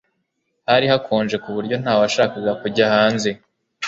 hari hakonje kuburyo ntawashakaga kujya hanze